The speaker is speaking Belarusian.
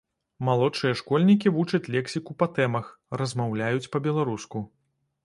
Малодшыя школьнікі вучаць лексіку па тэмах, размаўляюць па-беларуску.